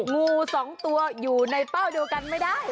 งูสองตัวอยู่ในเป้าเดียวกันไม่ได้